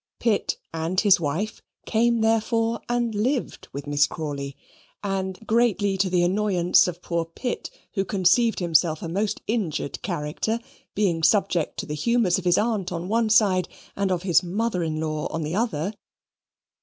Pitt and his wife came therefore and lived with Miss Crawley: and (greatly to the annoyance of poor Pitt, who conceived himself a most injured character being subject to the humours of his aunt on one side, and of his mother in law on the other).